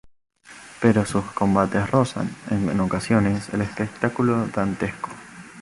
Pero sus combates rozan, en ocasiones, el espectáculo dantesco.